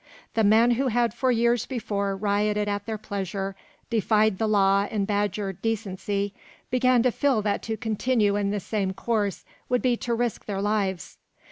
The men who had for years before rioted at their pleasure, defied the law and badgered decency, began to feel that to continue in the same course would be to risk their lives.